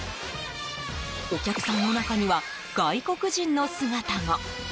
お客さんの中には外国人の姿も。